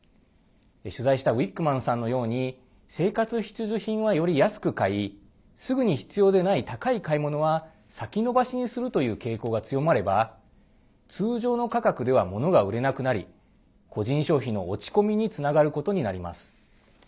取材したウィックマンさんのように生活必需品は、より安く買いすぐに必要でない高い買い物は先延ばしにするという傾向が強まれば通常の価格では物が売れなくなり個人消費の落ち込みにつながることになります。